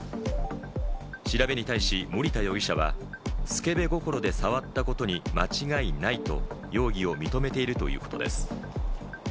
調べに対し森田容疑者は、すけべ心で触ったことに間違いないと容疑を認めているということです。